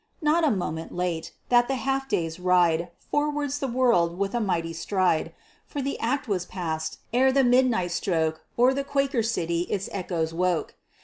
Not a moment late! and that half day's ride Forwards the world with a mighty stride; For the act was passed; ere the midnight stroke O'er the Quaker City its echoes woke.